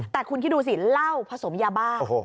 แต่คุณคิดดูสิเหล้าผสมยาบ้า